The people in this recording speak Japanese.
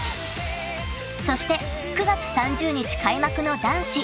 ［そして９月３０日開幕の男子］